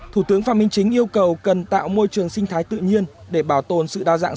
thủ tướng phạm minh chính yêu cầu cần tạo môi trường sinh thái tự nhiên để bảo tồn sự đa dạng